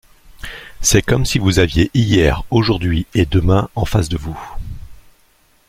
C'est comme si vous aviez hier, aujourd'hui et demain en face de vous.